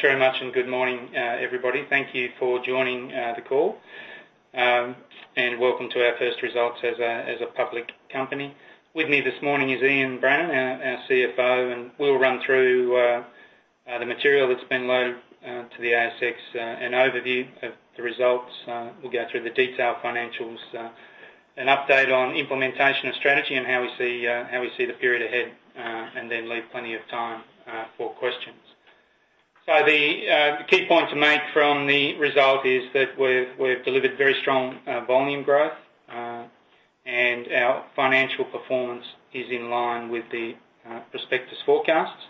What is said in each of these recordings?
Very much. Good morning, everybody. Thank you for joining the call. Welcome to our first results as a public company. With me this morning is Ian Brannan, our CFO. We'll run through the material that's been loaded to the ASX, an overview of the results. We'll go through the detailed financials, an update on implementation of strategy and how we see the period ahead. Then leave plenty of time for questions. The key point to make from the result is that we've delivered very strong volume growth. Our financial performance is in line with the prospectus forecasts.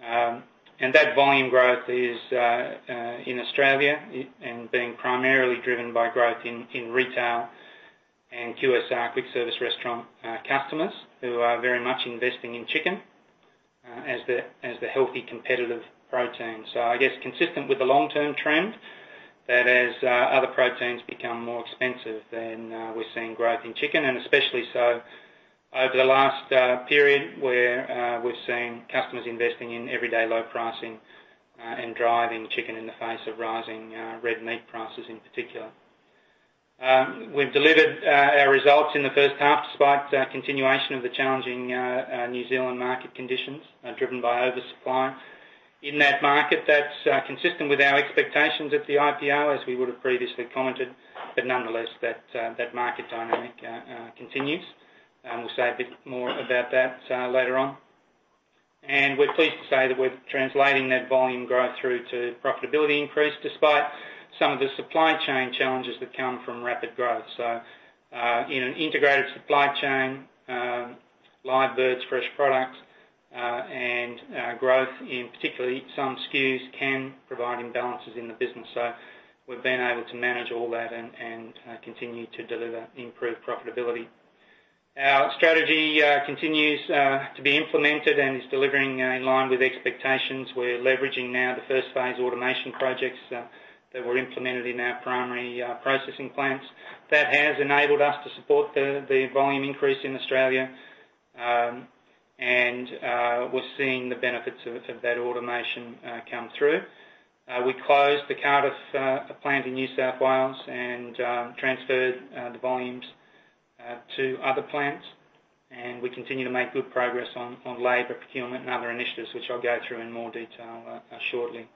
That volume growth is in Australia and being primarily driven by growth in retail and QSR, quick service restaurant, customers who are very much investing in chicken as the healthy competitive protein. I guess consistent with the long-term trend, that as other proteins become more expensive, we're seeing growth in chicken, especially so over the last period where we've seen customers investing in everyday low pricing, driving chicken in the face of rising red meat prices in particular. We've delivered our results in the first half despite the continuation of the challenging New Zealand market conditions driven by oversupply. In that market, that's consistent with our expectations at the IPO, as we would have previously commented. Nonetheless, that market dynamic continues. We'll say a bit more about that later on. We're pleased to say that we're translating that volume growth through to profitability increase, despite some of the supply chain challenges that come from rapid growth. In an integrated supply chain, live birds, fresh products, and growth in particularly some SKUs can provide imbalances in the business. We've been able to manage all that and continue to deliver improved profitability. Our strategy continues to be implemented and is delivering in line with expectations. We're leveraging now the first-phase automation projects that were implemented in our primary processing plants. That has enabled us to support the volume increase in Australia. We're seeing the benefits of that automation come through. We closed the Cardiff plant in New South Wales and transferred the volumes to other plants. We continue to make good progress on labor procurement and other initiatives, which I'll go through in more detail shortly.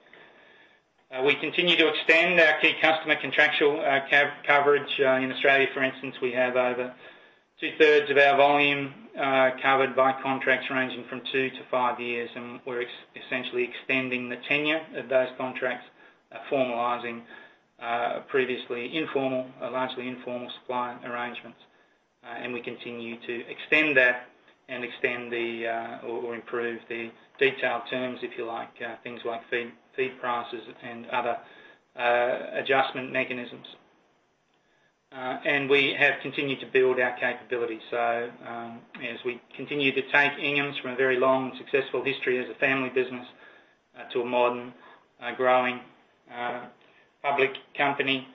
We continue to extend our key customer contractual coverage. In Australia, for instance, we have over two-thirds of our volume covered by contracts ranging from 2-5 years. We're essentially extending the tenure of those contracts, formalizing previously largely informal supply arrangements. We continue to extend that, extend or improve the detailed terms, if you like, things like feed prices and other adjustment mechanisms. We have continued to build our capabilities. As we continue to take Inghams from a very long and successful history as a family business to a modern, growing public company,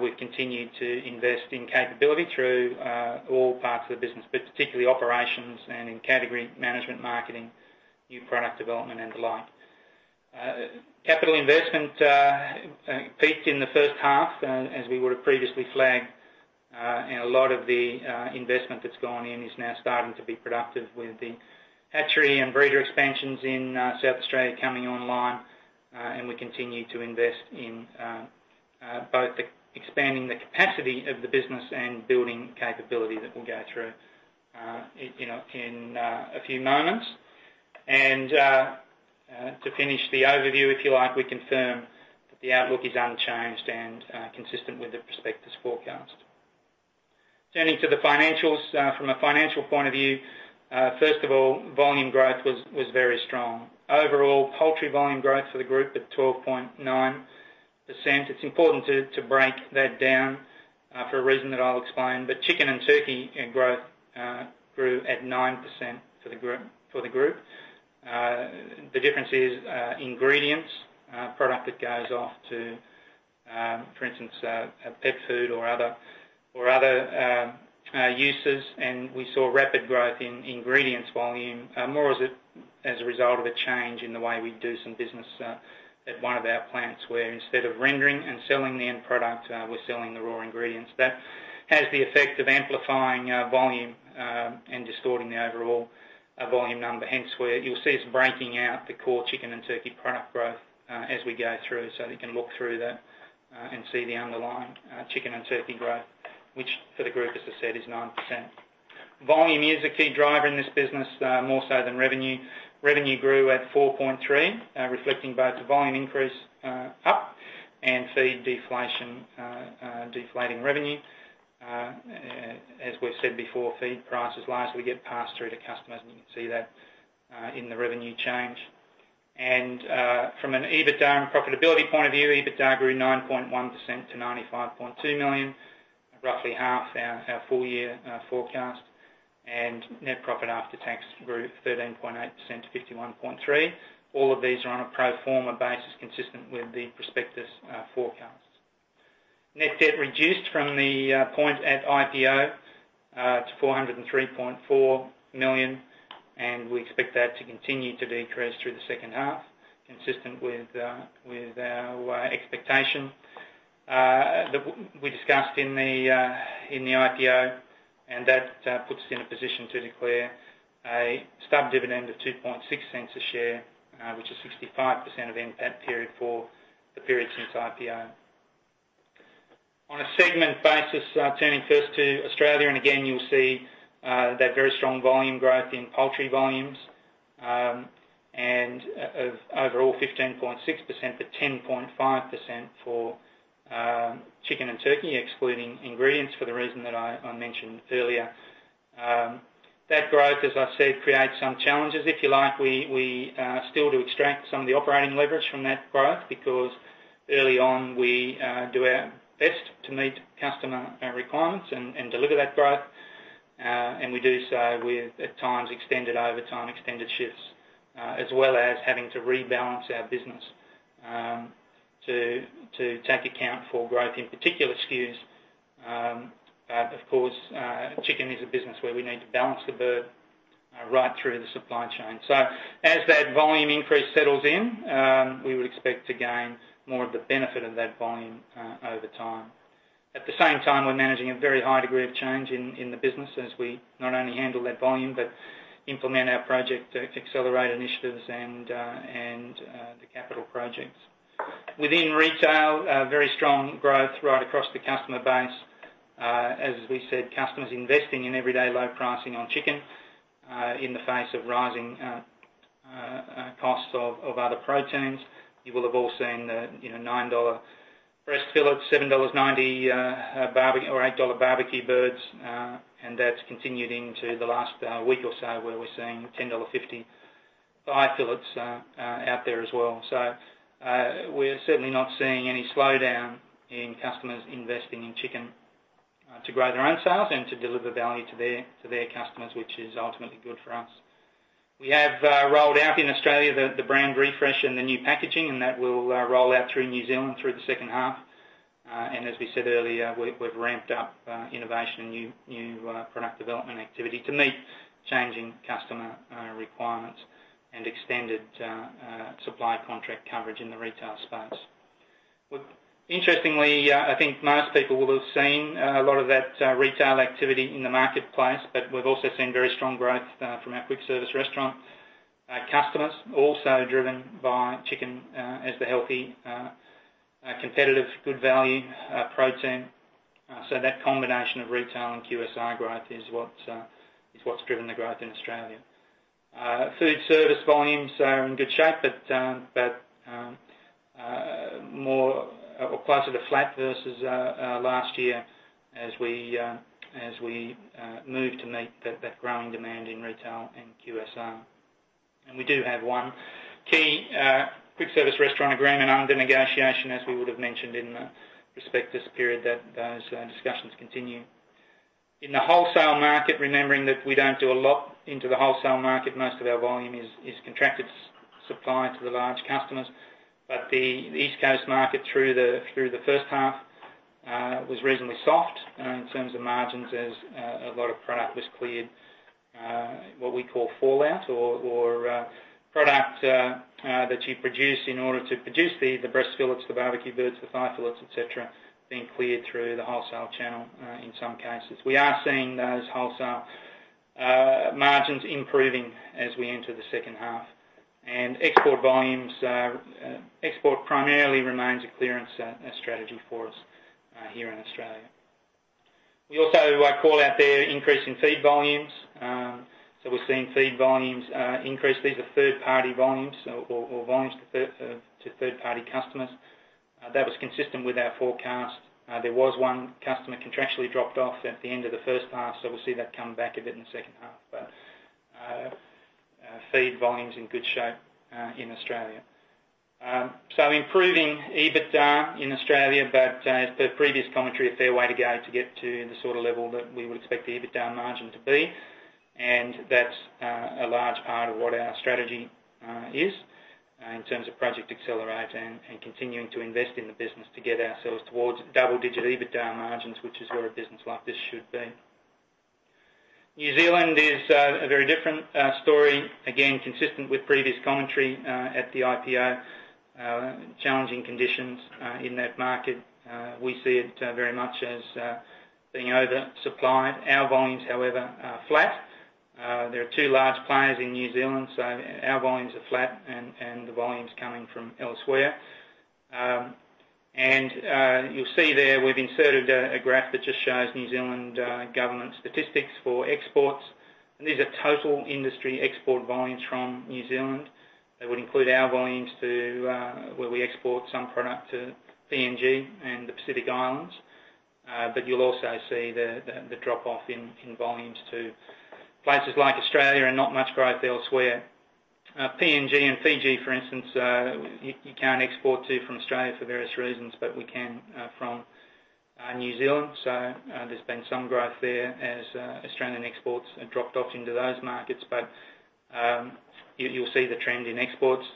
we've continued to invest in capability through all parts of the business, but particularly operations and in category management, marketing, new product development, and the like. Capital investment peaked in the first half as we would have previously flagged. A lot of the investment that's gone in is now starting to be productive with the hatchery and breeder expansions in South Australia coming online, and we continue to invest in both expanding the capacity of the business and building capability that we'll go through in a few moments. To finish the overview, if you like, we confirm that the outlook is unchanged and consistent with the prospectus forecast. Turning to the financials. From a financial point of view, first of all, volume growth was very strong. Overall, poultry volume growth for the group at 12.9%. It's important to break that down for a reason that I'll explain, but chicken and turkey growth grew at 9% for the group. The difference is ingredients, product that goes off to, for instance, pet food or other uses. We saw rapid growth in ingredients volume, more as a result of a change in the way we do some business at one of our plants, where instead of rendering and selling the end product, we're selling the raw ingredients. That has the effect of amplifying volume, and distorting the overall volume number. Hence, where you'll see us breaking out the core chicken and turkey product growth as we go through. So you can look through that and see the underlying chicken and turkey growth, which for the group, as I said, is 9%. Volume is a key driver in this business, more so than revenue. Revenue grew at 4.3%, reflecting both the volume increase up and feed deflation, deflating revenue. As we've said before, feed prices largely get passed through to customers, and you can see that in the revenue change. From an EBITDA and profitability point of view, EBITDA grew 9.1% to 95.2 million, roughly half our full year forecast. Net profit after tax grew 13.8% to 51.3 million. All of these are on a pro forma basis, consistent with the prospectus forecast. Net debt reduced from the point at IPO to 403.4 million, and we expect that to continue to decrease through the second half, consistent with our expectation. We discussed in the IPO. That puts us in a position to declare a stub dividend of 0.026 a share, which is 65% of NPAT period for the period since IPO. On a segment basis, turning first to Australia, again, you'll see that very strong volume growth in poultry volumes, and of overall 15.6%-10.5% for chicken and turkey, excluding ingredients for the reason that I mentioned earlier. That growth, as I said, creates some challenges. If you like, we still do extract some of the operating leverage from that growth, because early on we do our best to meet customer requirements and deliver that growth. We do so with, at times, extended overtime, extended shifts, as well as having to rebalance our business, to take account for growth in particular SKUs. Of course, chicken is a business where we need to balance the bird right through the supply chain. As that volume increase settles in, we would expect to gain more of the benefit of that volume over time. At the same time, we're managing a very high degree of change in the business as we not only handle that volume, but implement our Project Accelerate initiatives and the capital projects. Within retail, very strong growth right across the customer base. As we said, customers investing in everyday low pricing on chicken, in the face of rising costs of other proteins. You will have all seen the 9 dollar breast fillets, 7.90 dollars barbecue or 8 dollar barbecue birds, and that's continued into the last week or so, where we're seeing 10.50 dollar thigh fillets out there as well. We're certainly not seeing any slowdown in customers investing in chicken to grow their own sales and to deliver value to their customers, which is ultimately good for us. We have rolled out in Australia the brand refresh and the new packaging, and that will roll out through New Zealand through the second half. As we said earlier, we've ramped up innovation and new product development activity to meet changing customer requirements and extended supply contract coverage in the retail space. Interestingly, I think most people will have seen a lot of that retail activity in the marketplace, but we've also seen very strong growth from our quick service restaurant customers, also driven by chicken as the healthy, competitive, good value protein. That combination of retail and QSR growth is what's driven the growth in Australia. Food service volumes are in good shape, but closer to flat versus last year as we move to meet that growing demand in retail and QSR. We do have one key quick service restaurant agreement under negotiation, as we would have mentioned in the prospectus period that those discussions continue. In the wholesale market, remembering that we don't do a lot into the wholesale market, most of our volume is contracted supply to the large customers. The East Coast market through the first half was reasonably soft in terms of margins, as a lot of product was cleared, what we call fallout or product that you produce in order to produce the breast fillets, the barbecue birds, the thigh fillets, et cetera, being cleared through the wholesale channel, in some cases. We are seeing those wholesale margins improving as we enter the second half. Export volumes, export primarily remains a clearance strategy for us here in Australia. We also call out their increase in feed volumes. We're seeing feed volumes increase. These are third-party volumes or volumes to third-party customers. That was consistent with our forecast. There was one customer contractually dropped off at the end of the first half. We'll see that come back a bit in the second half. Feed volume's in good shape, in Australia. Improving EBITDA in Australia, but as per previous commentary, a fair way to go to get to the sort of level that we would expect the EBITDA margin to be. That's a large part of what our strategy is in terms of Project Accelerate and continuing to invest in the business to get ourselves towards double-digit EBITDA margins, which is where a business like this should be. New Zealand is a very different story, again, consistent with previous commentary at the IPO. Challenging conditions in that market. We see it very much as being oversupplied. Our volumes, however, are flat. There are two large players in New Zealand, our volumes are flat and the volume's coming from elsewhere. You'll see there, we've inserted a graph that just shows New Zealand government statistics for exports. These are total industry export volumes from New Zealand. That would include our volumes to where we export some product to PNG and the Pacific Islands. You'll also see the drop-off in volumes to places like Australia and not much growth elsewhere. PNG and Fiji, for instance, you can't export to from Australia for various reasons, but we can from New Zealand. There's been some growth there as Australian exports have dropped off into those markets. You'll see the trend in exports.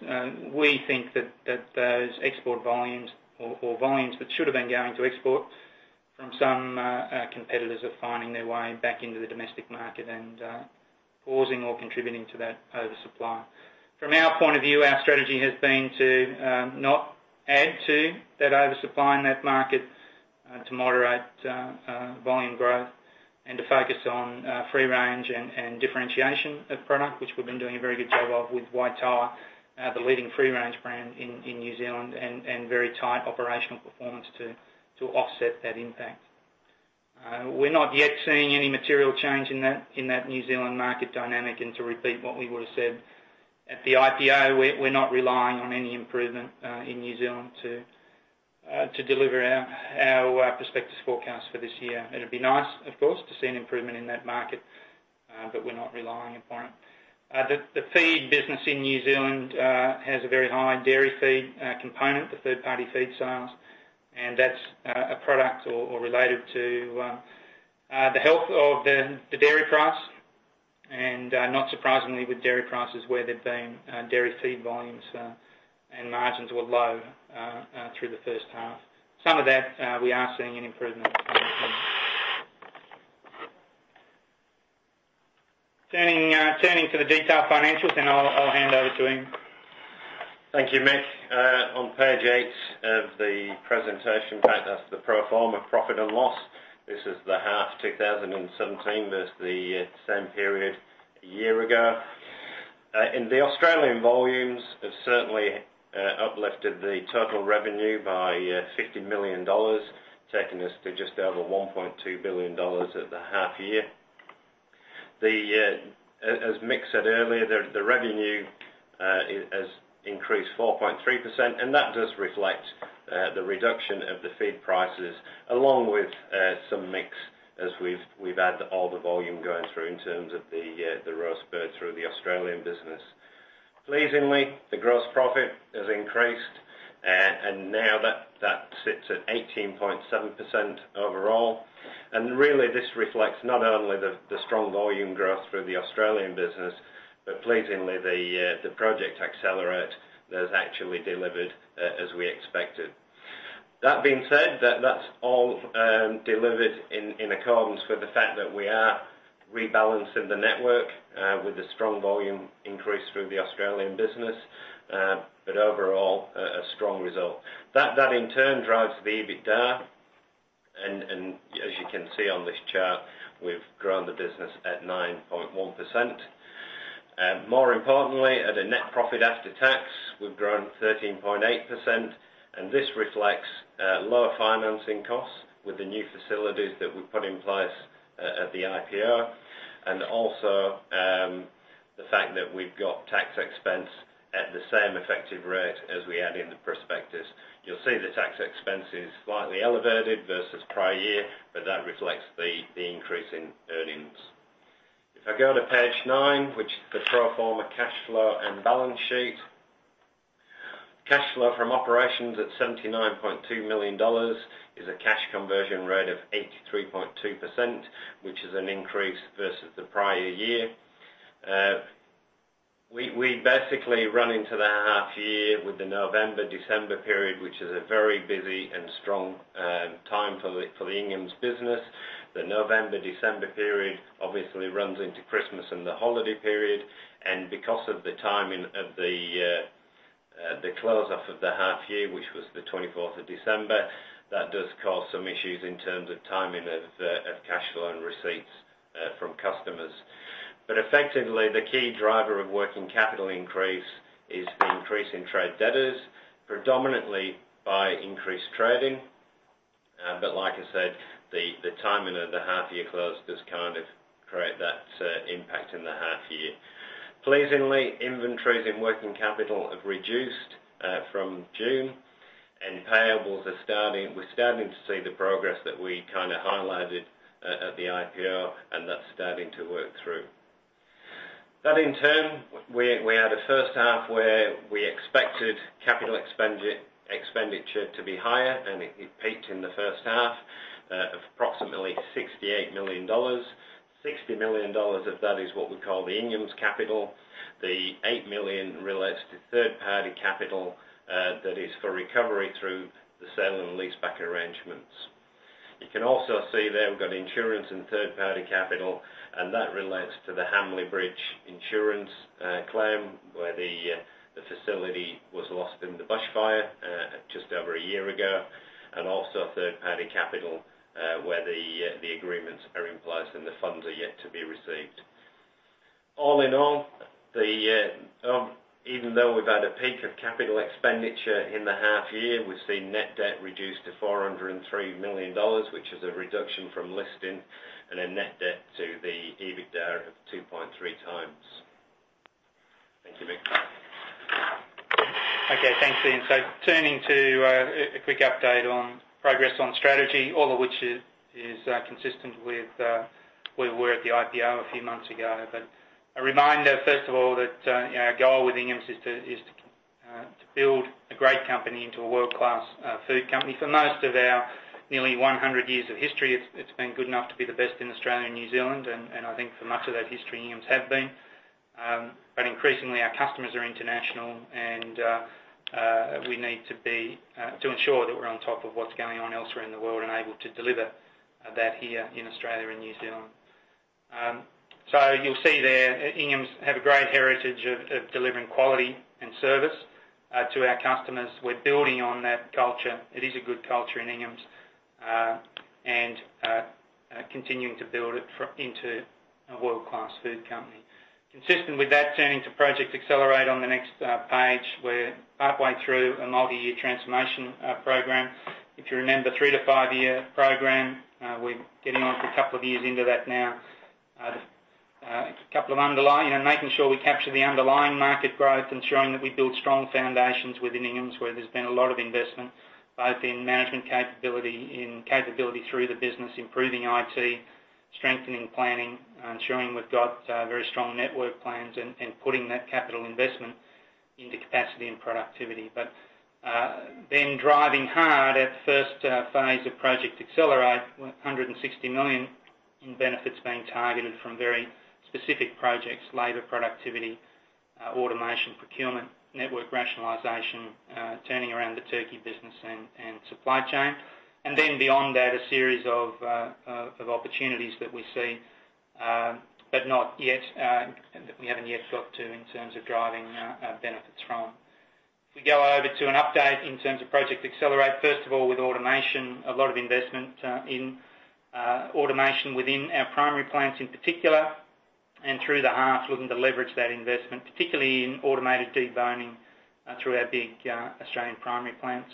We think that those export volumes or volumes that should have been going to export from some competitors are finding their way back into the domestic market and causing or contributing to that oversupply. From our point of view, our strategy has been to not add to that oversupply in that market, to moderate volume growth, and to focus on free-range and differentiation of product, which we've been doing a very good job of with Waitoa, the leading free-range brand in New Zealand, and very tight operational performance to offset that impact. We're not yet seeing any material change in that New Zealand market dynamic. To repeat what we would've said at the IPO, we're not relying on any improvement in New Zealand to deliver our prospectus forecast for this year. It'd be nice, of course, to see an improvement in that market, we're not relying upon it. The feed business in New Zealand has a very high dairy feed component, the third-party feed sales, and that's a product or related to the health of the dairy price. Not surprisingly, with dairy prices where they've been, dairy feed volumes and margins were low through the first half. Some of that, we are seeing an improvement. Turning to the detailed financials, I'll hand over to Ian. Thank you, Mick. On page eight of the presentation pack, that's the pro forma profit and loss. This is the half 2017 versus the same period a year ago. The Australian volumes, have certainly uplifted the total revenue by 50 million dollars, taking us to just over 1.2 billion dollars at the half year. As Mick said earlier, the revenue has increased 4.3%, and that does reflect the reduction of the feed prices along with some mix as we've added all the volume going through in terms of the roast birds through the Australian business. Pleasingly, the gross profit has increased, and now that sits at 18.7% overall. Really this reflects not only the strong volume growth through the Australian business, but pleasingly Project Accelerate has actually delivered as we expected. That being said, that's all delivered in accordance with the fact that we are rebalancing the network with a strong volume increase through the Australian business. Overall, a strong result. That in turn drives the EBITDA. As you can see on this chart, we've grown the business at 9.1%. More importantly, at a net profit after tax, we've grown 13.8%, and this reflects lower financing costs with the new facilities that we've put in place at the IPO. Also, the fact that we've got tax expense at the same effective rate as we had in the prospectus. You'll see the tax expense is slightly elevated versus prior year, but that reflects the increase in earnings. If I go to page nine, which is the pro forma cash flow and balance sheet. Cash flow from operations at 79.2 million dollars is a cash conversion rate of 83.2%, which is an increase versus the prior year. We basically run into the half year with the November, December period, which is a very busy and strong time for the Inghams business. The November, December period obviously runs into Christmas and the holiday period. Because of the timing of the close off of the half year, which was the 24th of December, that does cause some issues in terms of timing of cash flow and receipts from customers. Effectively, the key driver of working capital increase is the increase in trade debtors, predominantly by increased trading. Like I said, the timing of the half year close does create that impact in the half year. Pleasingly, inventories in working capital have reduced from June, payables, we're starting to see the progress that we highlighted at the IPO, and that's starting to work through. That in turn, we had a first half where we expected capital expenditure to be higher, it peaked in the first half of approximately 68 million dollars. 60 million dollars of that is what we call the Inghams capital. The 8 million relates to third-party capital that is for recovery through the sale and leaseback arrangements. You can also see there we've got insurance and third-party capital, that relates to the Hamley Bridge insurance claim, where the facility was lost in the bushfire just over a year ago. Also third-party capital, where the agreements are in place, and the funds are yet to be received. All in all, even though we've had a peak of capital expenditure in the half year, we've seen net debt reduced to 403 million dollars, which is a reduction from listing and a net debt to the EBITDA of 2.3 times. Thank you, Mick. Thanks, Ian. Turning to a quick update on progress on strategy, all of which is consistent with where we were at the IPO a few months ago. A reminder, first of all, that our goal with Inghams is to build a great company into a world-class food company. For most of our nearly 100 years of history, it's been good enough to be the best in Australia and New Zealand, and I think for much of that history, Inghams have been. Increasingly, our customers are international, and we need to ensure that we're on top of what's going on elsewhere in the world and able to deliver that here in Australia and New Zealand. You'll see there, Inghams have a great heritage of delivering quality and service to our customers. We're building on that culture. It is a good culture in Inghams, continuing to build it into a world-class food company. Consistent with that, turning to Project Accelerate on the next page, we're halfway through a multi-year transformation program. If you remember, three to five-year program, we're getting on for a couple of years into that now. Making sure we capture the underlying market growth, ensuring that we build strong foundations within Inghams, where there's been a lot of investment, both in management capability, in capability through the business, improving IT, strengthening planning, ensuring we've got very strong network plans, and putting that capital investment into capacity and productivity. Driving hard at the first phase of Project Accelerate, 160 million in benefits being targeted from very specific projects, labor productivity, automation, procurement, network rationalization, turning around the turkey business, and supply chain. Beyond that, a series of opportunities that we see, but that we haven't yet got to in terms of driving benefits from. If we go over to an update in terms of Project Accelerate, first of all, with automation, a lot of investment in automation within our primary plants in particular, and through the hubs, looking to leverage that investment, particularly in automated deboning through our big Australian primary plants.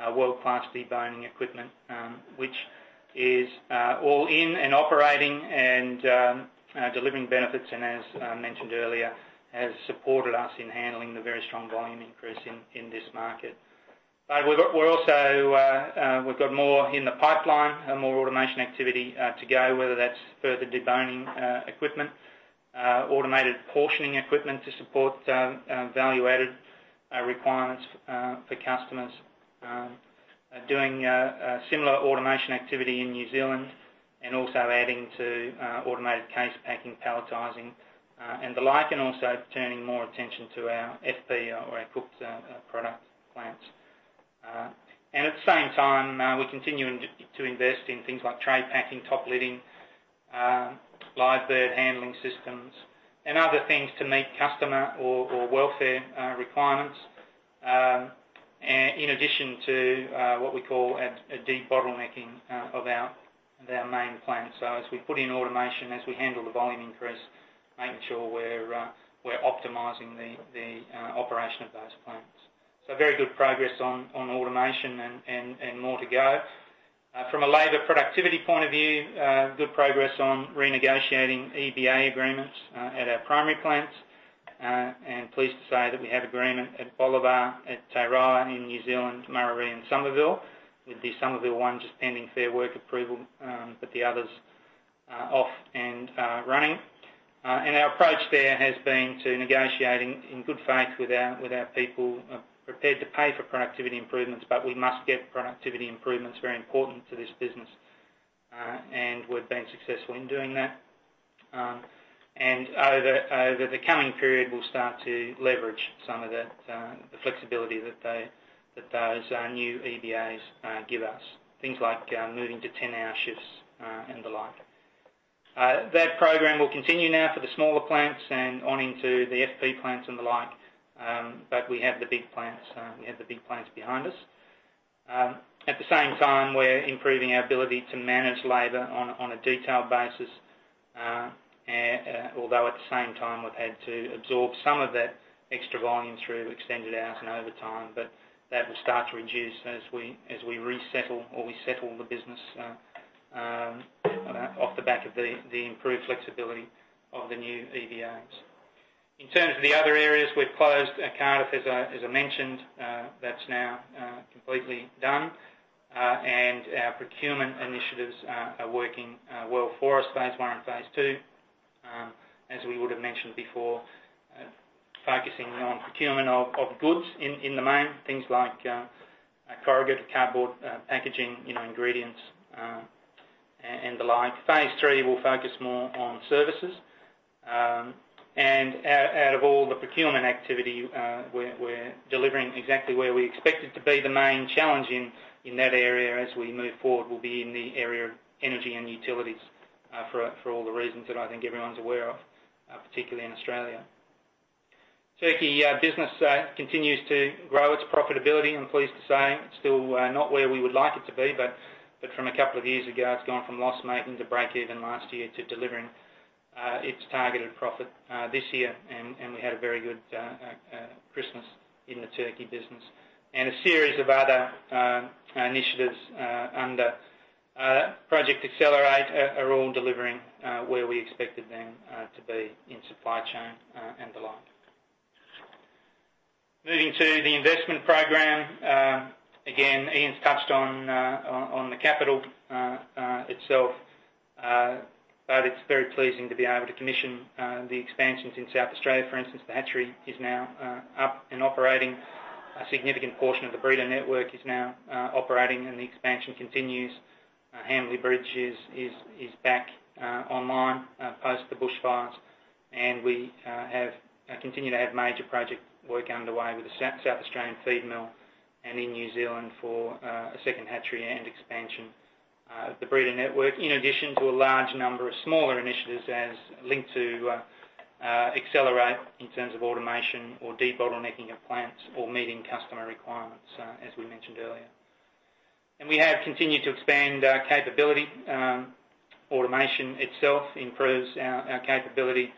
World-class deboning equipment, which is all in and operating and delivering benefits, and as mentioned earlier, has supported us in handling the very strong volume increase in this market. We've got more in the pipeline, more automation activity to go, whether that's further deboning equipment, automated portioning equipment to support value-added requirements for customers, doing similar automation activity in New Zealand, and also adding to automated case packing, palletizing, and the like, and also turning more attention to our FP or our cooked product plants. At the same time, we're continuing to invest in things like tray packing, top lidding, live bird handling systems, and other things to meet customer or welfare requirements, in addition to what we call a debottlenecking of our main plant. As we put in automation, as we handle the volume increase, making sure we're optimizing the operation of those plants. Very good progress on automation and more to go. From a labor productivity point of view, good progress on renegotiating EBA agreements at our primary plants. Pleased to say that we have agreement at Bolivar, at Te Aroha in New Zealand, Murarrie, and Somerville, with the Somerville one just pending Fair Work approval, but the others are off and running. Our approach there has been to negotiating in good faith with our people, prepared to pay for productivity improvements, but we must get productivity improvements. Very important to this business. We've been successful in doing that. Over the coming period, we'll start to leverage some of the flexibility that those new EBAs give us. Things like moving to 10-hour shifts and the like. That program will continue now for the smaller plants and on into the FP plants and the like, but we have the big plants behind us. At the same time, we're improving our ability to manage labor on a detailed basis, although at the same time, we've had to absorb some of that extra volume through extended hours and overtime, but that will start to reduce as we resettle or we settle the business off the back of the improved flexibility of the new EBAs. In terms of the other areas, we've closed at Cardiff, as I mentioned. That's now completely done. Our procurement initiatives are working well for us, phase 1 and phase 2. As we would have mentioned before, focusing on procurement of goods in the main, things like corrugated cardboard, packaging, ingredients, and the like. Phase 3 will focus more on services. Out of all the procurement activity, we're delivering exactly where we expected to be. The main challenge in that area as we move forward will be in the area of energy and utilities, for all the reasons that I think everyone's aware of, particularly in Australia. Turkey business continues to grow its profitability, I'm pleased to say. It's still not where we would like it to be, but from a couple of years ago, it's gone from loss-making to break-even last year to delivering its targeted profit this year, and we had a very good Christmas in the turkey business. A series of other initiatives under Project Accelerate are all delivering where we expected them to be in supply chain and the like. Moving to the investment program On the capital itself. It's very pleasing to be able to commission the expansions in South Australia. For instance, the hatchery is now up and operating. A significant portion of the breeder network is now operating, and the expansion continues. Hamley Bridge is back online post the bushfires, and we continue to have major project work underway with the South Australian feed mill and in New Zealand for a second hatchery and expansion of the breeder network, in addition to a large number of smaller initiatives as linked to Project Accelerate in terms of automation or debottlenecking of plants or meeting customer requirements, as we mentioned earlier. We have continued to expand capability. Automation itself improves our capability,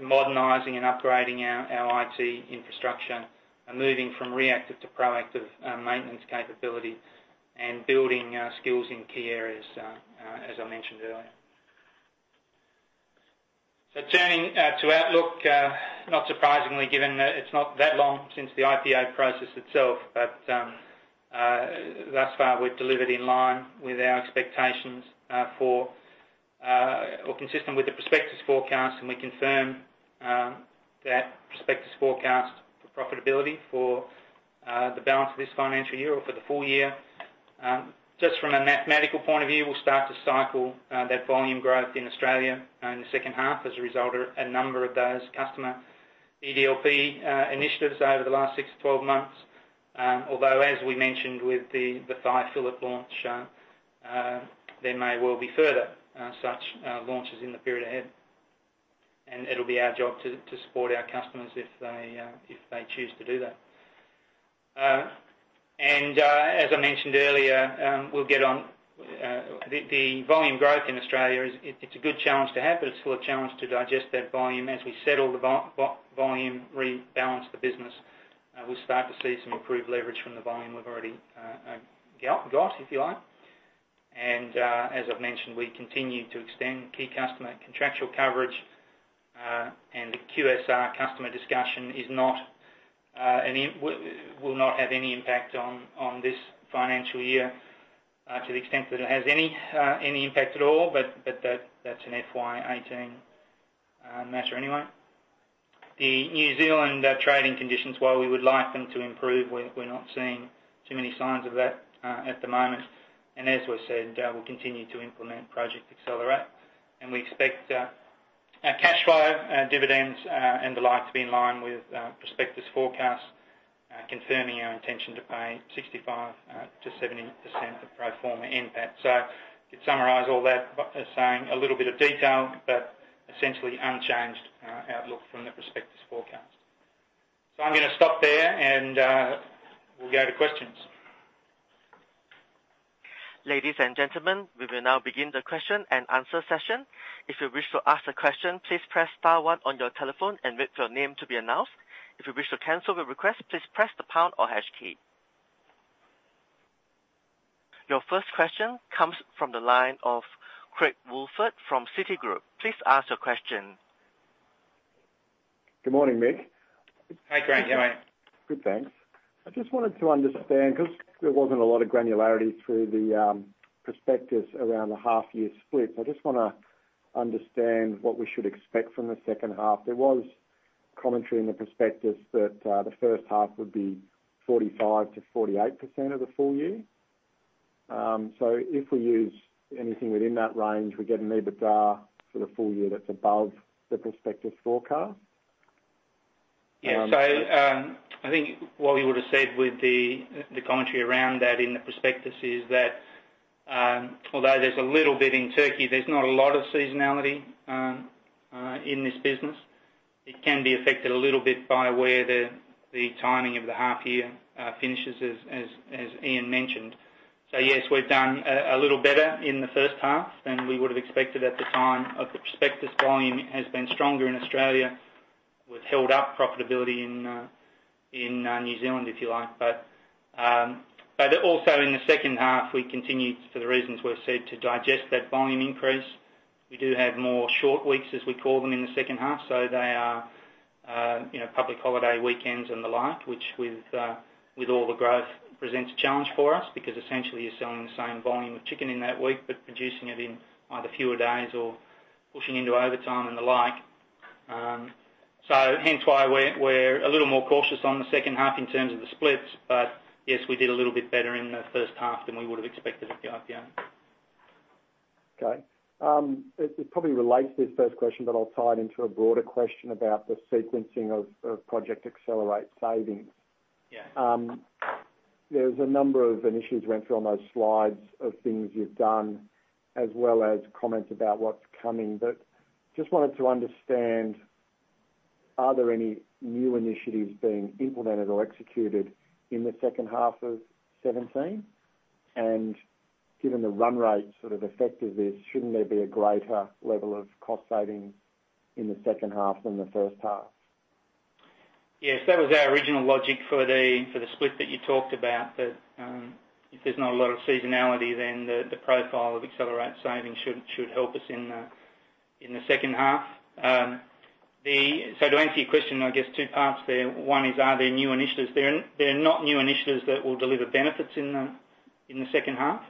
modernizing and upgrading our IT infrastructure, and moving from reactive to proactive maintenance capability and building our skills in key areas, as I mentioned earlier. Turning to outlook, not surprisingly, given that it's not that long since the IPO process itself, but thus far we've delivered in line with our expectations for or consistent with the prospectus forecast, and we confirm that prospectus forecast for profitability for the balance of this financial year or for the full year. Just from a mathematical point of view, we'll start to cycle that volume growth in Australia in the second half as a result of a number of those customer EDLP initiatives over the last 6 to 12 months. Although, as we mentioned with the thigh fillet launch, there may well be further such launches in the period ahead. It'll be our job to support our customers if they choose to do that. As I mentioned earlier, the volume growth in Australia, it's a good challenge to have, but it's still a challenge to digest that volume. As we settle the volume, rebalance the business, we'll start to see some improved leverage from the volume we've already got, if you like. As I've mentioned, we continue to extend key customer contractual coverage, and the QSR customer discussion will not have any impact on this financial year to the extent that it has any impact at all, but that's an FY 2018 matter anyway. The New Zealand trading conditions, while we would like them to improve, we're not seeing too many signs of that at the moment. As we said, we'll continue to implement Project Accelerate, and we expect our cash flow, dividends, and the like to be in line with prospectus forecasts, confirming our intention to pay 65%-70% of pro forma NPAT. Could summarize all that by saying a little bit of detail, but essentially unchanged outlook from the prospectus forecast. I'm going to stop there, and we'll go to questions. Ladies and gentlemen, we will now begin the question and answer session. If you wish to ask a question, please press star 1 on your telephone and wait for your name to be announced. If you wish to cancel the request, please press the pound or hash key. Your first question comes from the line of Craig Woolford from Citigroup. Please ask your question. Good morning, Mick. Hey, Craig. How are you? Good, thanks. I just wanted to understand, because there wasn't a lot of granularity through the prospectus around the half year split. I just want to understand what we should expect from the second half. There was commentary in the prospectus that the first half would be 45%-48% of the full year. If we use anything within that range, we get an EBITDA for the full year that's above the prospectus forecast? Yeah. I think what we would've said with the commentary around that in the prospectus is that, although there's a little bit in turkey, there's not a lot of seasonality in this business. It can be affected a little bit by where the timing of the half year finishes, as Ian mentioned. Yes, we've done a little better in the first half than we would've expected at the time of the prospectus. Volume has been stronger in Australia. We've held up profitability in New Zealand, if you like. Also in the second half, we continued, for the reasons we've said, to digest that volume increase. We do have more short weeks, as we call them, in the second half, so they are public holiday weekends and the like, which with all the growth presents a challenge for us because essentially you're selling the same volume of chicken in that week, but producing it in either fewer days or pushing into overtime and the like. Hence why we're a little more cautious on the second half in terms of the splits. Yes, we did a little bit better in the first half than we would've expected at the IPO. Okay. It probably relates to this first question, I'll tie it into a broader question about the sequencing of Project Accelerate savings. Yeah. There's a number of initiatives we went through on those slides of things you've done, as well as comments about what's coming. Just wanted to understand, are there any new initiatives being implemented or executed in the second half of 2017? Given the run rate sort of effect of this, shouldn't there be a greater level of cost savings in the second half than the first half? Yes, that was our original logic for the split that you talked about. That if there's not a lot of seasonality, the profile of Accelerate savings should help us in the second half. To answer your question, I guess two parts there. One is, are there new initiatives? There are not new initiatives that will deliver benefits in the second half.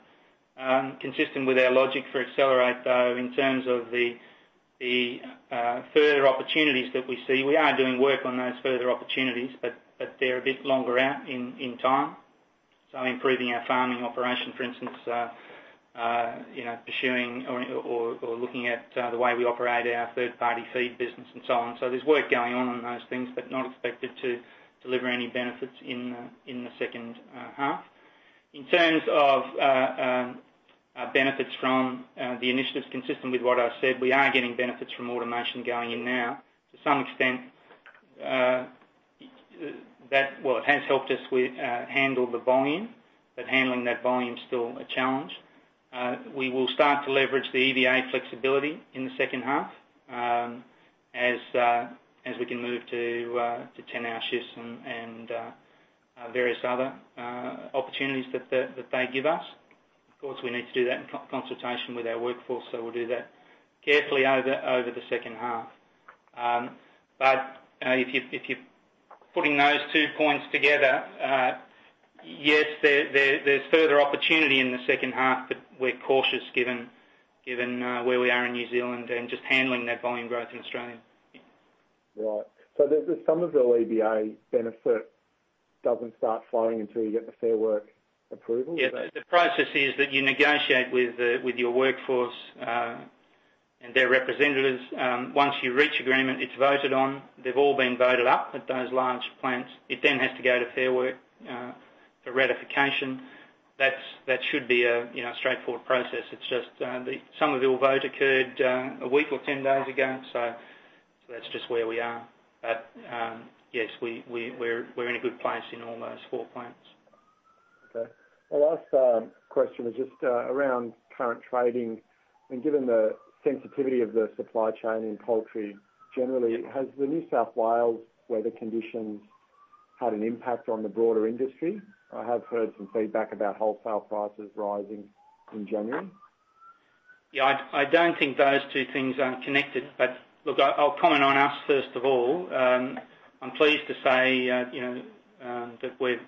Consistent with our logic for Accelerate, though, in terms of the further opportunities that we see, we are doing work on those further opportunities, they're a bit longer out in time. Improving our farming operation, for instance, pursuing or looking at the way we operate our third-party feed business and so on. There's work going on those things, not expected to deliver any benefits in the second half. In terms of benefits from the initiatives, consistent with what I've said, we are getting benefits from automation going in now. To some extent, it has helped us handle the volume, but handling that volume is still a challenge. We will start to leverage the EBA flexibility in the second half, as we can move to 10-hour shifts and various other opportunities that they give us. Of course, we need to do that in consultation with our workforce, so we'll do that carefully over the second half. If you're putting those two points together, yes, there's further opportunity in the second half, but we're cautious given where we are in New Zealand and just handling that volume growth in Australia. Right. Some of the EBA benefit doesn't start flowing until you get the Fair Work approval? Yeah. The process is that you negotiate with your workforce and their representatives. Once you reach agreement, it's voted on. They've all been voted up at those large plants. It then has to go to Fair Work for ratification. That should be a straightforward process. It's just the Somerville vote occurred a week or 10 days ago, so that's just where we are. Yes, we're in a good place in all those four plants. Okay. My last question is just around current trading, given the sensitivity of the supply chain in poultry generally, has the New South Wales weather conditions had an impact on the broader industry? I have heard some feedback about wholesale prices rising in January. I don't think those two things are connected. Look, I'll comment on us first of all. I'm pleased to say that we've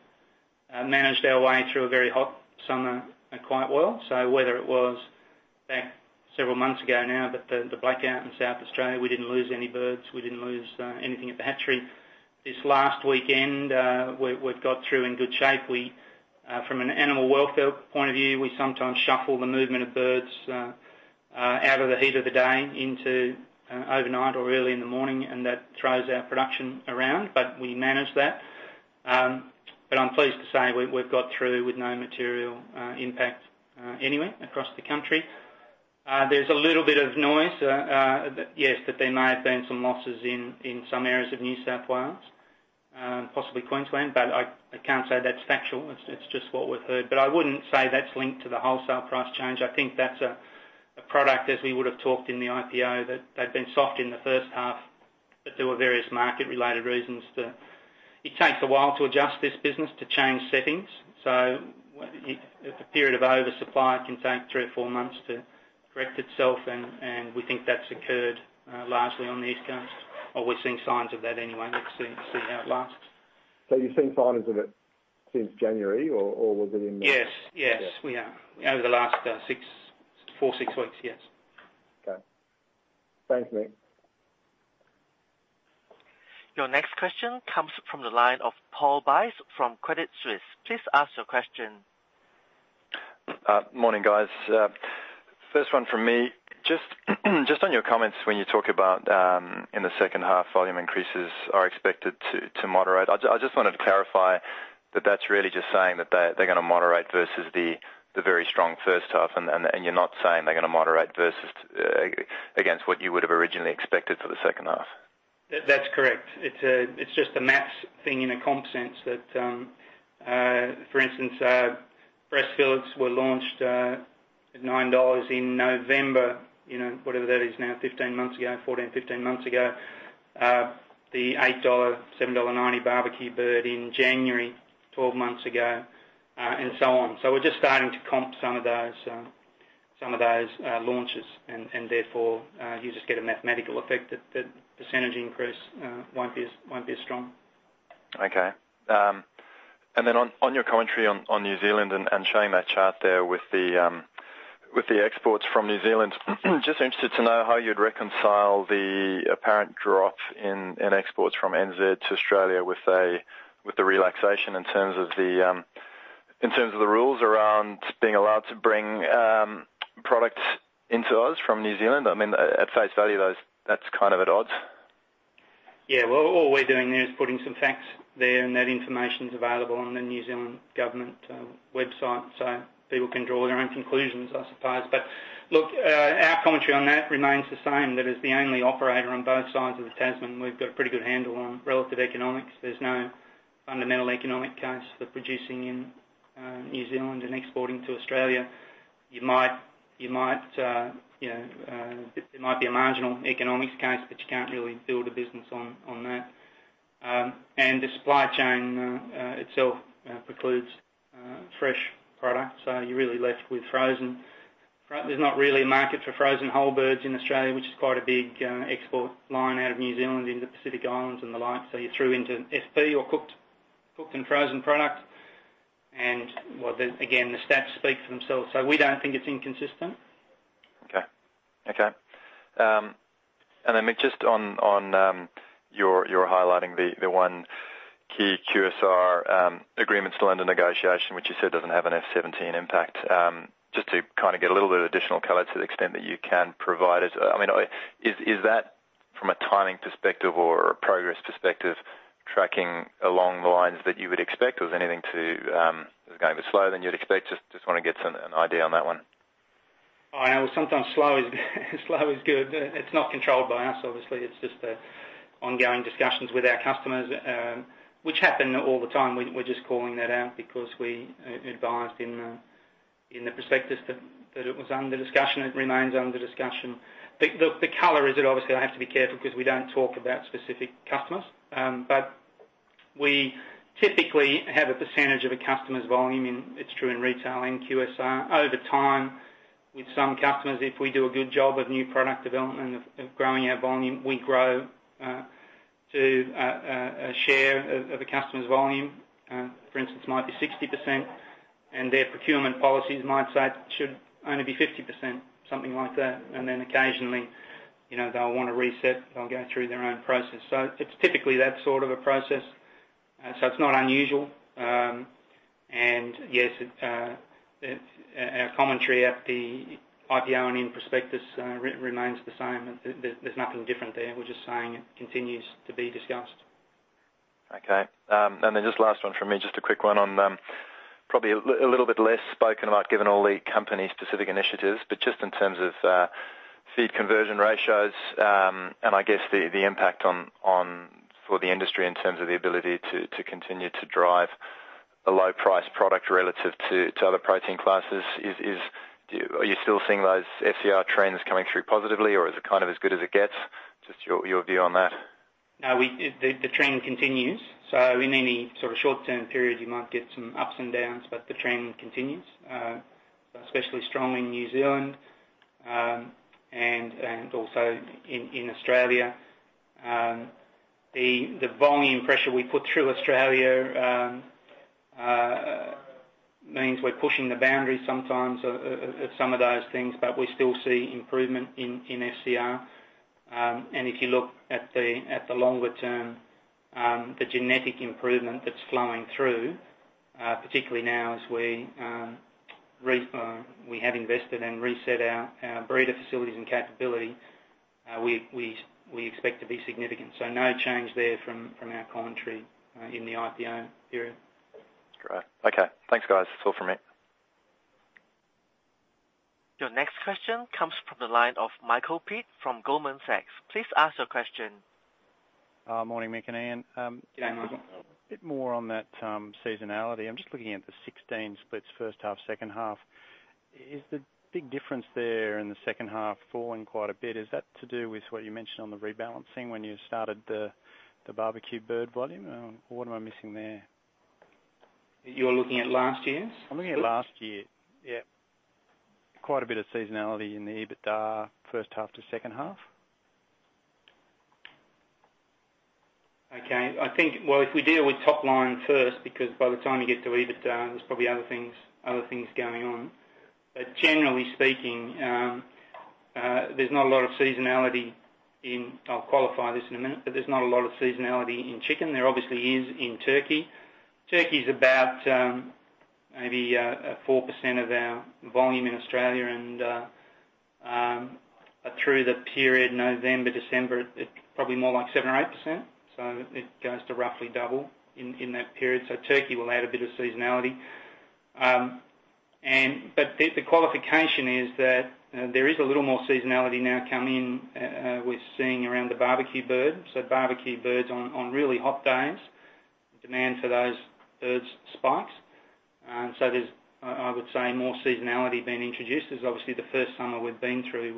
managed our way through a very hot summer quite well. Whether it was back several months ago now, but the blackout in South Australia, we didn't lose any birds. We didn't lose anything at the hatchery. This last weekend, we've got through in good shape. From an animal welfare point of view, we sometimes shuffle the movement of birds out of the heat of the day into overnight or early in the morning, and that throws our production around. We manage that. I'm pleased to say we've got through with no material impact anywhere across the country. There's a little bit of noise, yes, that there may have been some losses in some areas of New South Wales, possibly Queensland, but I can't say that's factual. It's just what we've heard. I wouldn't say that's linked to the wholesale price change. I think that's a product, as we would have talked in the IPO, that they've been soft in the first half, but there were various market-related reasons. It takes a while to adjust this business to change settings. If a period of oversupply can take three or four months to correct itself, and we think that's occurred largely on the East Coast. We're seeing signs of that anyway. Let's see how it lasts. You've seen signs of it since January, or was it in the- Yes. Yeah. We are. Over the last four, six weeks, yes. Okay. Thanks, Mick. Your next question comes from the line of Paul Bice from Credit Suisse. Please ask your question. Morning, guys. First one from me. Just on your comments when you talk about in the second half, volume increases are expected to moderate. I just wanted to clarify that that's really just saying that they're going to moderate versus the very strong first half. You're not saying they're going to moderate versus against what you would have originally expected for the second half? That's correct. It's just a math thing in a comp sense. For instance, breast fillets were launched at 9 dollars in November, whatever that is now, 15 months ago, 14, 15 months ago. The 8 dollar, 7.90 dollar barbecue bird in January, 12 months ago, and so on. We're just starting to comp some of those launches, and therefore, you just get a mathematical effect that % increase won't be as strong. Okay. On your commentary on New Zealand and showing that chart there with the exports from New Zealand, just interested to know how you'd reconcile the apparent drop in exports from NZ to Australia with the relaxation in terms of the rules around being allowed to bring products into Oz from New Zealand. I mean, at face value, that's kind of at odds. Yeah. Well, all we're doing there is putting some facts there, and that information's available on the New Zealand government website, so people can draw their own conclusions, I suppose. Look, our commentary on that remains the same. That as the only operator on both sides of the Tasman, we've got a pretty good handle on relative economics. There's no fundamental economic case for producing in New Zealand and exporting to Australia. It might be a marginal economics case, but you can't really build a business on that. The supply chain itself precludes fresh products. You're really left with frozen. There's not really a market for frozen whole birds in Australia, which is quite a big export line out of New Zealand into Pacific Islands and the like, so you're through into SP or cooked and frozen product. Well, then again, the stats speak for themselves, we don't think it's inconsistent. Okay. Mick, just on your highlighting the one key QSR agreement still under negotiation, which you said doesn't have an FY 2017 impact. Just to get a little bit of additional color to the extent that you can provide us. Is that from a timing perspective or a progress perspective, tracking along the lines that you would expect? Or is anything going a bit slower than you'd expect? I just want to get an idea on that one. Sometimes slow is good. It's not controlled by us, obviously. It's just the ongoing discussions with our customers, which happen all the time. We're just calling that out because we advised in the prospectus that it was under discussion, it remains under discussion. The color is that obviously I have to be careful because we don't talk about specific customers. We typically have a percentage of a customer's volume, and it's true in retail and QSR. Over time with some customers, if we do a good job of new product development, of growing our volume, we grow to a share of a customer's volume. For instance, might be 60%, and their procurement policies might say it should only be 50%, something like that. Occasionally, they'll want to reset. They'll go through their own process. It's typically that sort of a process. It's not unusual. Yes, our commentary at the IPO and in prospectus remains the same. There's nothing different there. We're just saying it continues to be discussed. Okay. Just last one from me, just a quick one on, probably a little bit less spoken about given all the company-specific initiatives. Just in terms of feed conversion ratios, and I guess the impact for the industry in terms of the ability to continue to drive a low-price product relative to other protein classes. Are you still seeing those FCR trends coming through positively, or is it as good as it gets? Just your view on that. No, the trend continues. In any short-term period, you might get some ups and downs, the trend continues. Especially strong in New Zealand, and also in Australia. The volume pressure we put through Australia means we're pushing the boundaries sometimes of some of those things, but we still see improvement in FCR. If you look at the longer term, the genetic improvement that's flowing through, particularly now as we have invested and reset our breeder facilities and capability, we expect to be significant. No change there from our commentary in the IPO period. Great. Okay. Thanks, guys. That's all from me. Your next question comes from the line of Michael Peet from Goldman Sachs. Please ask your question. Morning, Mick and Ian. Good morning, Michael. A bit more on that seasonality. I'm just looking at the 2016 splits, first half, second half. Is the big difference there in the second half falling quite a bit? Is that to do with what you mentioned on the rebalancing when you started the barbecue bird volume? What am I missing there? You're looking at last year's? I'm looking at last year. Yep. Quite a bit of seasonality in the EBITDA, first half to second half. If we deal with top line first, because by the time you get to EBITDA, there's probably other things going on. Generally speaking, there's not a lot of seasonality in I'll qualify this in a minute, but there's not a lot of seasonality in chicken. There obviously is in turkey. Turkey's about maybe 4% of our volume in Australia, and through the period November, December, probably more like 7 or 8%, so it goes to roughly double in that period. Turkey will add a bit of seasonality. The qualification is that there is a little more seasonality now coming, we're seeing around the barbecue birds. Barbecue birds on really hot days, demand for those birds spikes. There's, I would say, more seasonality being introduced. This is obviously the first summer we've been through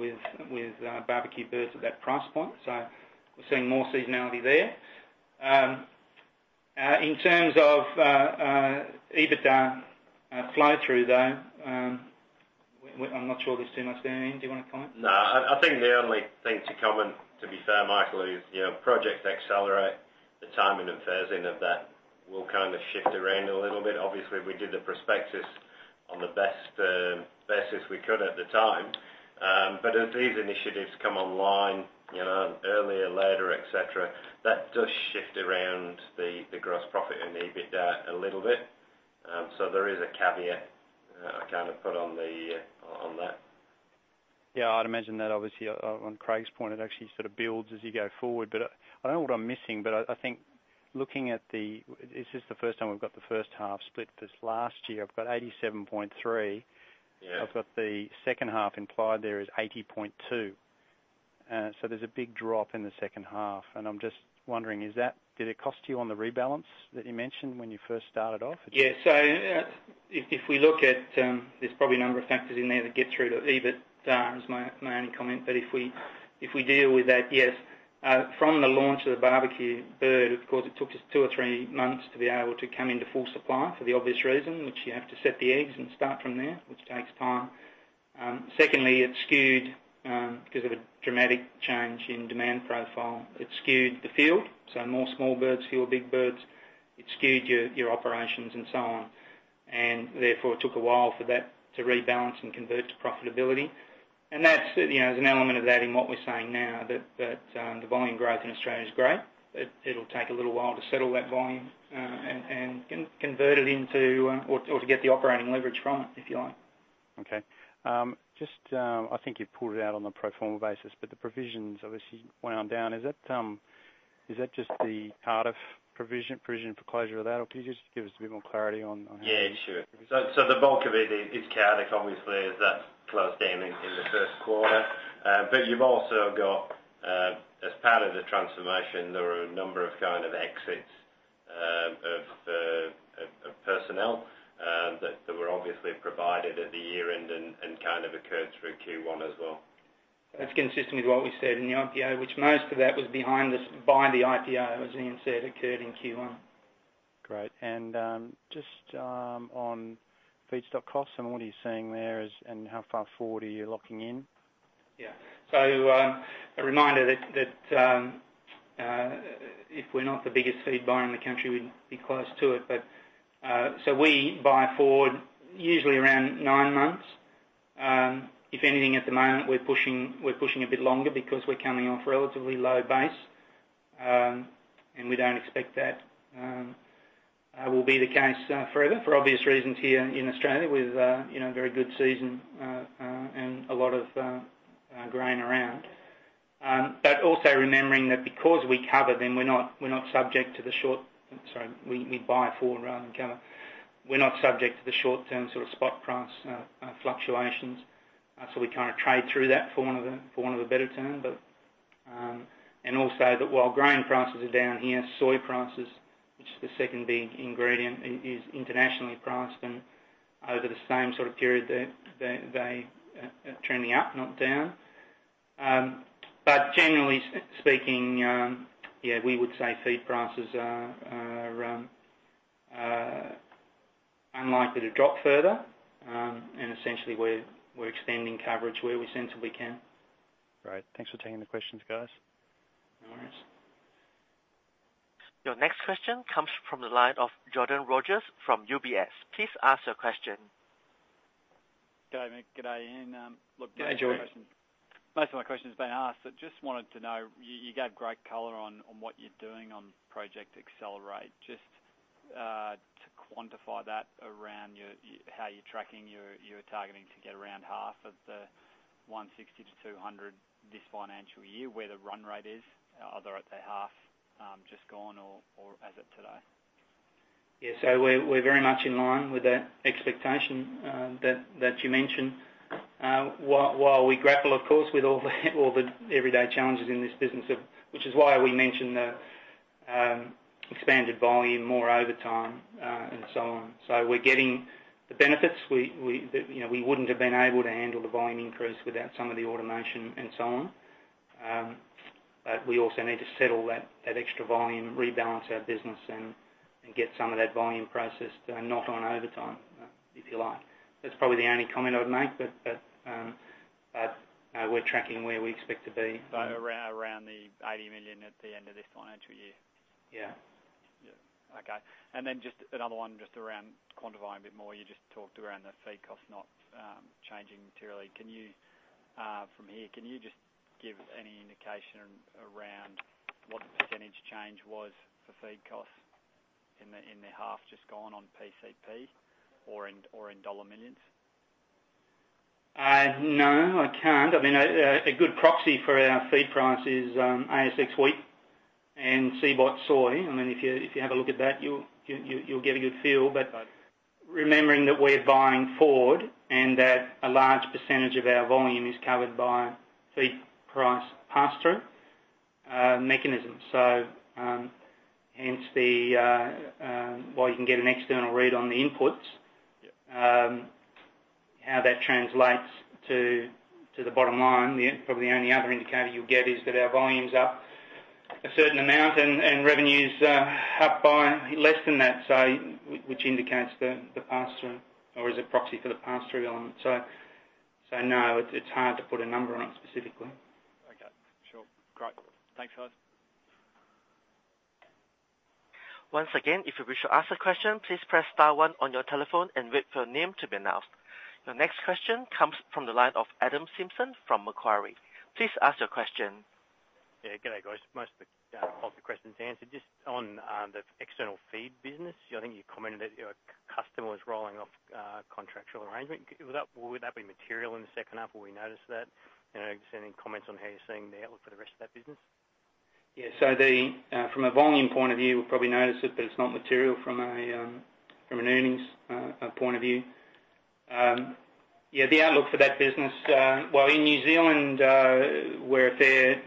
with barbecue birds at that price point, so we're seeing more seasonality there. In terms of EBITDA flow-through, though, I'm not sure there's too much there. Ian, do you want to comment? I think the only thing to comment, to be fair, Michael, is Project Accelerate, the timing and phasing of that will shift around a little bit. Obviously, we did the prospectus on the best basis we could at the time. As these initiatives come online earlier, later, et cetera, that does shift around the gross profit and the EBITDA a little bit. There is a caveat I put on that. I'd imagine that obviously on Craig's point, it actually builds as you go forward. I don't know what I'm missing, but I think looking at the This is the first time we've got the first half split for this last year. I've got 87.3. Yeah. I've got the second half implied there is 80.2. There's a big drop in the second half, and I'm just wondering, did it cost you on the rebalance that you mentioned when you first started off? Yeah. If we look at, there's probably a number of factors in there that get through to EBITDA is my only comment. If we deal with that, yes. From the launch of the barbecue bird, of course, it took us two or three months to be able to come into full supply for the obvious reason, which you have to set the eggs and start from there, which takes time. Secondly, it's skewed because of a dramatic change in demand profile. It skewed the field, so more small birds, fewer big birds. It skewed your operations and so on. Therefore, it took a while for that to rebalance and convert to profitability. There's an element of that in what we're saying now, that the volume growth in Australia is great. It'll take a little while to settle that volume and convert it into, or to get the operating leverage from it, if you like. Okay. I think you've pulled it out on the pro forma basis, the provisions obviously wound down. Is that just the part of provision for closure of that, or could you just give us a bit more clarity on how- Yeah, sure. The bulk of it is Cardiff, obviously, as that closed down in the first quarter. You've also got, as part of the transformation, there were a number of exits of personnel that were obviously provided at the year-end and occurred through Q1 as well. That's consistent with what we said in the IPO, which most of that was behind the IPO, as Ian said, occurred in Q1. Great. Just on feedstock costs and what are you seeing there, and how far forward are you locking in? A reminder that if we're not the biggest feed buyer in the country, we'd be close to it. We buy forward usually around nine months. If anything, at the moment, we're pushing a bit longer because we're coming off a relatively low base. We don't expect that will be the case further, for obvious reasons here in Australia, with a very good season and a lot of grain around. Also remembering that because we cover them, we buy forward rather than cover. We're not subject to the short-term spot price fluctuations. We trade through that for want of a better term. Also that while grain prices are down here, soy prices, which is the second big ingredient, is internationally priced, and over the same period, they are trending up, not down. Generally speaking, we would say feed prices are unlikely to drop further. Essentially, we're extending coverage where we sensibly can. Great. Thanks for taking the questions, guys. No worries. Your next question comes from the line of Jordan Rogers from UBS. Please ask your question. Good day, Mick. Good day, Ian. Hey, Jordan. Most of my question has been asked, just wanted to know, you gave great color on what you're doing on Project Accelerate. Just to quantify that around how you're tracking, you're targeting to get around half of the 160-200 this financial year, where the run rate is? Are they at the half just gone or as of today? We're very much in line with that expectation that you mentioned. While we grapple, of course, with all the everyday challenges in this business, which is why we mentioned the expanded volume more overtime and so on. We're getting the benefits. We wouldn't have been able to handle the volume increase without some of the automation and so on. We also need to settle that extra volume, rebalance our business, and get some of that volume processed, and not on overtime, if you like. That's probably the only comment I would make, but we're tracking where we expect to be. Around the 80 million at the end of this financial year? Yeah. Just another one, just around quantifying a bit more. You just talked around the feed cost not changing materially. From here, can you just give any indication around what the percentage change was for feed costs in the half just gone on PCP or in dollar millions? No, I can't. I mean, a good proxy for our feed price is ASX wheat and CBOT soy. If you have a look at that, you'll get a good feel. Okay. Remembering that we're buying forward and that a large percentage of our volume is covered by feed price pass-through mechanisms. Hence, while you can get an external read on the inputs. Yeah How that translates to the bottom line, probably the only other indicator you'll get is that our volume's up a certain amount and revenue's up by less than that, say, which indicates the pass-through or as a proxy for the pass-through element. No, it's hard to put a number on it specifically. Okay, sure. Great. Thanks, guys. Once again, if you wish to ask a question, please press star one on your telephone and wait for your name to be announced. Your next question comes from the line of Adam Simpson from Macquarie. Please ask your question. Yeah, good day, guys. Most of the questions are answered. Just on the external feed business, I think you commented that your customer was rolling off a contractual arrangement. Would that be material in the second half? Will we notice that? Just any comments on how you're seeing the outlook for the rest of that business? Yeah. From a volume point of view, we'll probably notice it, but it's not material from an earnings point of view. The outlook for that business, while in New Zealand, where a fair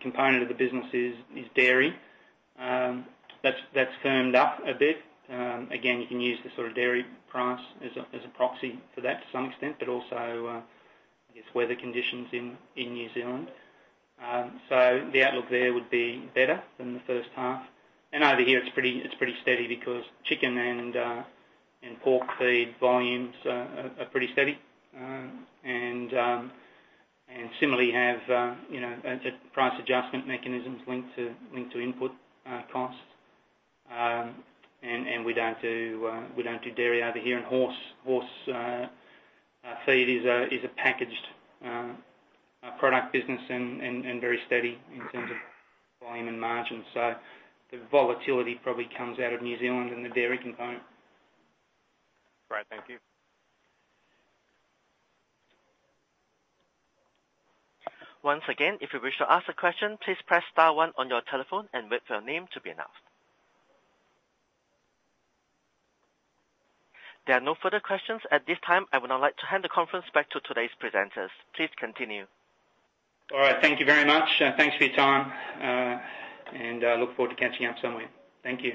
component of the business is dairy, that's firmed up a bit. Again, you can use the dairy price as a proxy for that to some extent, but also, I guess, weather conditions in New Zealand. The outlook there would be better than the first half. Over here, it's pretty steady because chicken and pork feed volumes are pretty steady. Similarly have price adjustment mechanisms linked to input costs. We don't do dairy over here, and horse feed is a packaged product business and very steady in terms of volume and margins. The volatility probably comes out of New Zealand and the dairy component. Great. Thank you. Once again, if you wish to ask a question, please press star one on your telephone and wait for your name to be announced. There are no further questions at this time. I would now like to hand the conference back to today's presenters. Please continue. All right. Thank you very much. Thanks for your time. I look forward to catching up somewhere. Thank you.